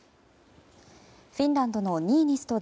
フィンランドのニーニスト